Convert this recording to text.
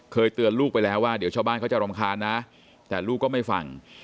เคยเตือนลูกไปแล้วว่าเดี๋ยวชาวบ้านเขาจะรำคาญนะแต่ลูกก็ไม่ฟัง